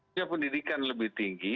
punya pendidikan lebih tinggi